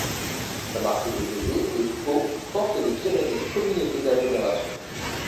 Sa marque déposée est Pau Porte des Pyrénées Communauté d'agglomération.